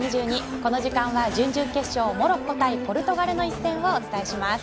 この時間は準々決勝モロッコ対ポルトガルの一戦をお伝えします。